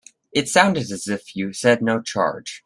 It sounded as if you said no charge.